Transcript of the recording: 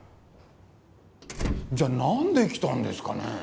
じゃあなんで来たんですかね？